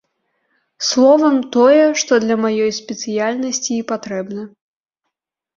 Словам, тое, што для маёй спецыяльнасці і патрэбна.